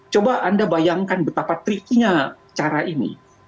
coba anda bayangkan betapa tricky nya cara ini